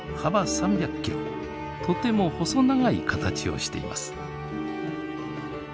とても細長い形をしています。